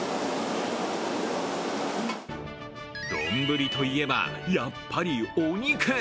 丼といえば、やっぱりお肉。